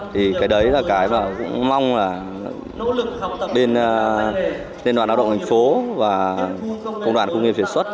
thì cái đấy là cái mà cũng mong là bên đoàn lao động hành phố và công đoàn công nghiệp sản xuất